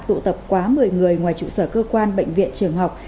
tụ tập quá một mươi người ngoài trụ sở cơ quan bệnh viện trường học